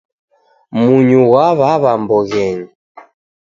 Munyu ghwaw'aw'a mboghenyi